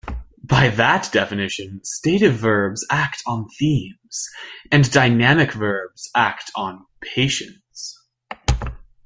By that definition, stative verbs act on themes, and dynamic verbs act on patients.